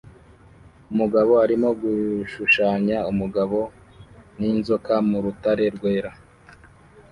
Umugabo arimo gushushanya umugabo n'inzoka mu rutare rwera